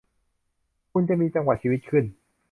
คุณจะมีจังหวะชีวิตขึ้น